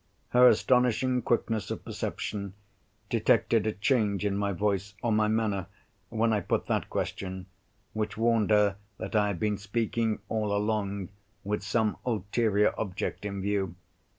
Her astonishing quickness of perception, detected a change in my voice, or my manner, when I put that question, which warned her that I had been speaking all along with some ulterior object in view.